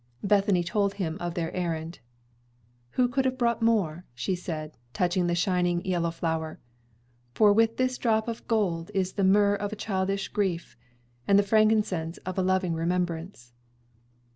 Bethany told him of their errand. "Who could have brought more?" she said, touching the shining yellow flower; "for with this little drop of gold is the myrrh of a childish grief, and the frankincense of a loving remembrance."